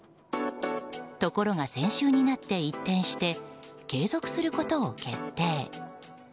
ところが先週になって一転して継続することを決定。